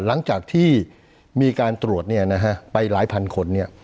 หลังจากที่มีการตรวจไปหลายพันคน